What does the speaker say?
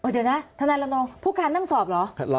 เดี๋ยวนะทนายละนองผู้การนั่งสอบเหรอ